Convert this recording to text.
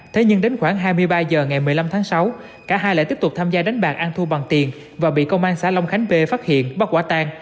thế nhưng đến khoảng hai mươi ba h ngày một mươi năm tháng sáu cả hai lại tiếp tục tham gia đánh bạc ăn thu bằng tiền và bị công an xã long khánh bê phát hiện bắt quả tan